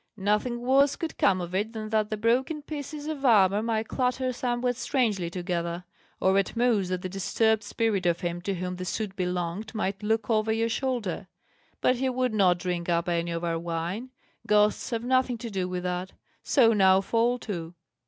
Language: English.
"Nothing worse could come of it than that the broken pieces of armour might clatter somewhat strangely together, or at most that the disturbed spirit of him to whom the suit belonged might look over your shoulder; but he would not drink up any of our wine ghosts have nothing to do with that. So now fall to!"